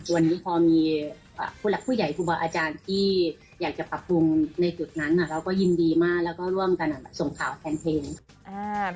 วันนี้พอมีผู้หลักผู้ใหญ่ครูบาอาจารย์ที่อยากจะปรับปรุงในจุดนั้นเราก็ยินดีมากแล้วก็ร่วมกันส่งข่าวแทนเพลง